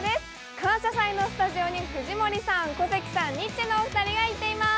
「感謝祭」のスタジオに藤森さん、小関さん、ニッチェのお二人が行っています。